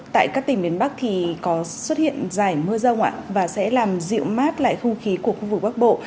tại các tỉnh miền bắc thì có xuất hiện dài mưa rông ạ và sẽ làm dịu mát lại khu khí của khu vực bắc bộ